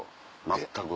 全く？